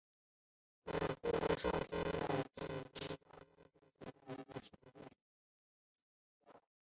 胡人天少年时期进入高丰文足球学校接受足球训练。